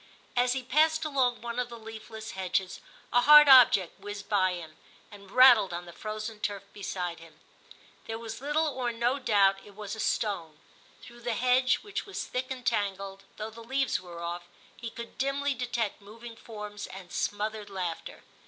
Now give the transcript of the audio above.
As he passed along one of the leafless hedges a hard object whizzed by him, and rattled on the frozen turf beside him ; there was little or no doubt it was a stone. Through the hedge, which was thick and tangled, though the leaves were off, he could dimly detect moving forms and smothered laughter.